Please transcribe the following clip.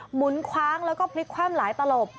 หมุนคว้างแล้วก็พลิกคว่ำหลายตลบ